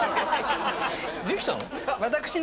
できたの？